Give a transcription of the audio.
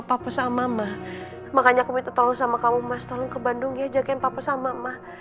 papa sama emak makanya aku minta tolong sama kamu mas tolong ke bandung ya jagain papa sama emak